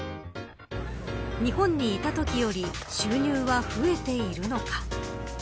日本にいたときより収入は増えているのか。